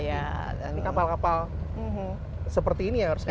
ini kapal kapal seperti ini yang harus kita